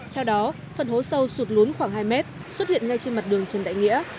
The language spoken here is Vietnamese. theo đó phần hố sâu sụt lún khoảng hai mét xuất hiện ngay trên mặt đường trần đại nghĩa